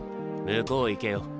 向こう行けよ。